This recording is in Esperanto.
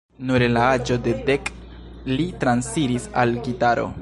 Nur en la aĝo de dek li transiris al gitaro.